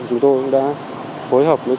chúng tôi đã phối hợp với